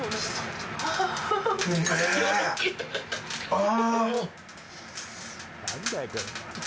ああ！